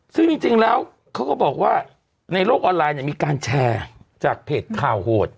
ซึ่งจริงแล้วเขาก็บอกว่าในโลกออนไลน์เนี่ยมีการแชร์จากเพจข่าวโหด